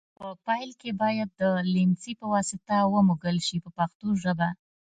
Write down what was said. په پیل کې باید د لمڅي په واسطه ومږل شي په پښتو ژبه.